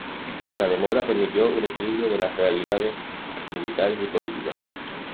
La demora permitió un equilibrio de las realidades militares y políticas.